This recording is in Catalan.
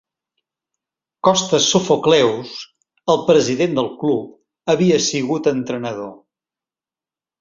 Costas Sophocleous, el president del club, havia sigut entrenador.